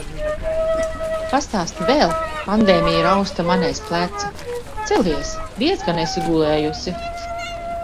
"Pastāsti vēl!" pandēmija rausta mani aiz pleca. Celies, diezgan esi gulējusi.